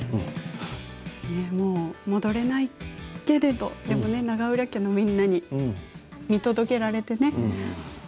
もう戻れないけれど永浦家のみんなに見届けられてね。